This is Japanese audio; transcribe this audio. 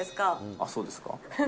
あ、そうですか？